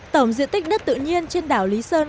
tổng diện tích đất tự nhiên trên đảo lý sơn